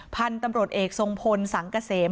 พันธุ์ตำรวจเอกทรงพลสังเกษม